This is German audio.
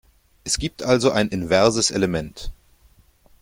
Es gibt also ein inverses Element.